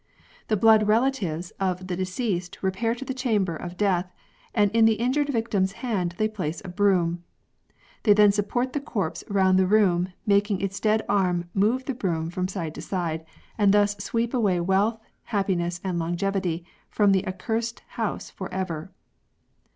The blood rela tives of the deceased repair to the chamber of death, and in the injured victim's hand they place a broom. They then support the corpse round the room, making its dead arm move the broom from side to side, and thus sweep away wealth, happiness, and longevity from the accursed house for ever.